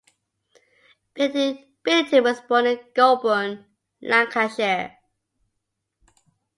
Billington was born in Golborne, Lancashire.